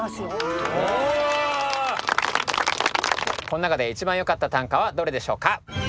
この中で一番よかった短歌はどれでしょうか？